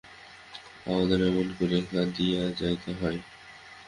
আমাদের এমন করিয়াও কাঁদাইয়া যাইতে হয়!